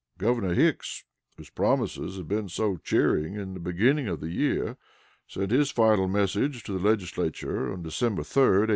Governor Hicks, whose promises had been so cheering in the beginning of the year, sent his final message to the Legislature on December 3, 1861.